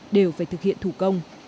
đều phải thực hiện thủ công